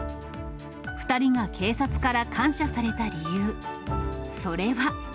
２人が警察から感謝された理由、それは。